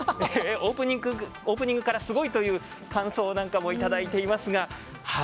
オープニングからすごいという感想なんかもいただいていますが。